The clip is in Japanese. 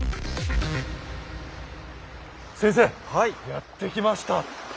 やって来ました！